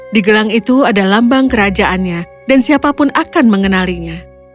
di gelang itu ada lambang kerajaannya dan siapapun akan mengenalinya